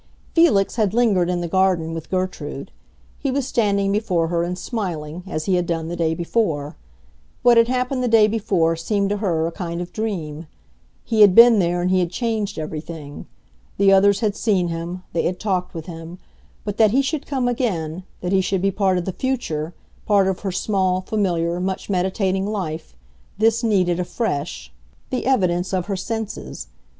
Felix had lingered in the garden with Gertrude; he was standing before her and smiling, as he had done the day before. What had happened the day before seemed to her a kind of dream. He had been there and he had changed everything; the others had seen him, they had talked with him; but that he should come again, that he should be part of the future, part of her small, familiar, much meditating life—this needed, afresh, the evidence of her senses.